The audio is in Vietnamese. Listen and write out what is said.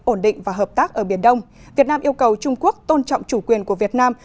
ổn định và hợp tác ở biển đông việt nam yêu cầu trung quốc tôn trọng chủ quyền của việt nam